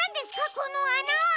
このあな！